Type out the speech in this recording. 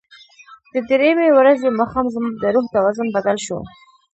د درېیمې ورځې ماښام زما د روح توازن بدل شو.